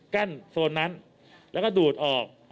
โซนนั้นแล้วก็ดูดออก